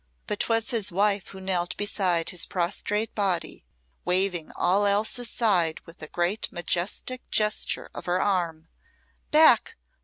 But 'twas his wife who knelt beside his prostrate body, waving all else aside with a great majestic gesture of her arm. "Back!